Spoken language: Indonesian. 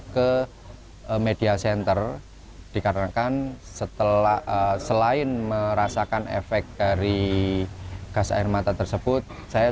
ke media center dikarenakan setelah selain merasakan efek dari gas air mata tersebut saya